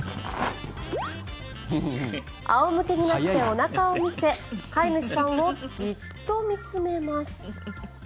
仰向けになっておなかを見せ飼い主さんをじっと見つめます。